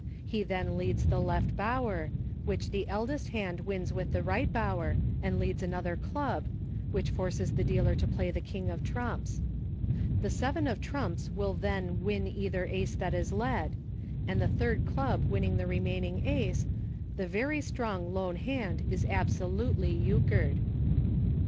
He then leads the Left Bower, which the eldest hand wins with the Right Bower, and leads another club, which forces the dealer to play the King of trumps. The seven of trumps will then win either Ace that is led, and the third club winning the remaining Ace, the very strong lone hand is absolutely Euchred.